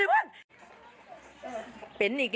โหวนเหนื่อย